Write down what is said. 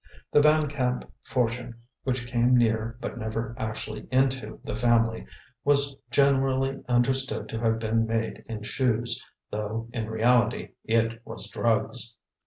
The Van Camp fortune, which came near but never actually into the family, was generally understood to have been made in shoes, though in reality it was drugs.